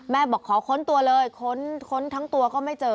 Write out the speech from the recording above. บอกขอค้นตัวเลยค้นทั้งตัวก็ไม่เจอ